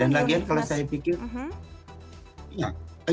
dan lagian kalau saya pikir